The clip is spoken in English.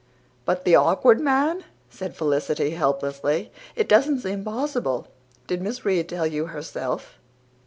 "But the Awkward Man!" said Felicity helplessly. "It doesn't seem possible. Did Miss Reade tell you HERSELF?"